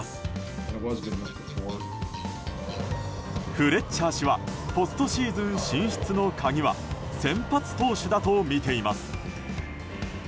フレッチャー氏はポストシーズン進出の鍵は先発投手だとみています。